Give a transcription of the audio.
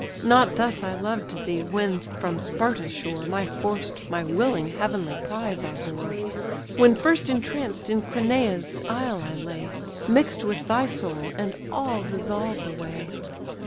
Not thus I loved thee, when from Sparta's shore My forced, my willing heavenly prize I bore, When first entranced in Cranae's isle I lay, Mix'd with thy soul, and all dissolved away!"